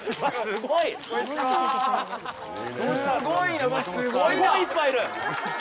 すごいね。